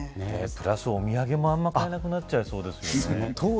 プラス、お土産もあんまり買えなくなっちゃいそうですね。